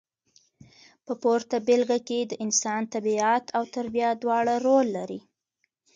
په پورته بېلګه کې د انسان طبیعت او تربیه دواړه رول لري.